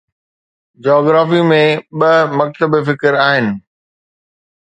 geography ۾ ٻه مکتب فڪر آهن